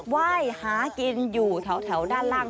ไหว้หากินอยู่แถวด้านล่าง